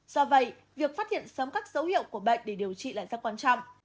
do vậy việc phát hiện sớm các dấu hiệu của bệnh để điều trị là rất quan trọng